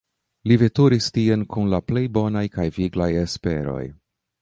Li veturis tien kun la plej bonaj kaj viglaj esperoj.